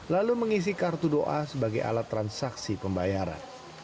lalu mengisi kartu doa sebagai alat transaksi pembayaran